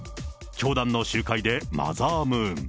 教団の集会でマザームーン。